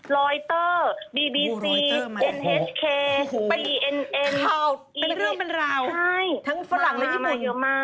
ลอยเตอร์บีบีซีเนธเคบีเอ็นเอ็นอีเทอร์ทั้งฝรั่งและญี่ปุ่ง